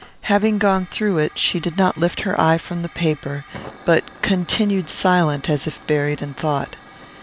Having gone through it, she did not lift her eye from the paper, but continued silent, as if buried in thought.